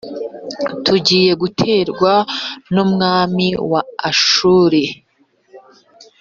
tugiye guterwa n’umwami wa ashuri